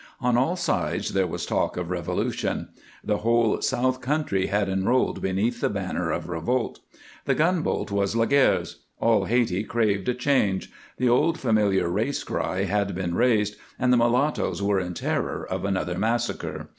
On all sides there was talk of revolution; the whole south country had enrolled beneath the banner of revolt. The gunboat was Laguerre's; all Hayti craved a change; the old familiar race cry had been raised and the mulattoes were in terror of another massacre.